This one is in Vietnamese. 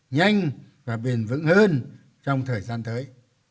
nhanh và bền vững hơn trong thời gian tới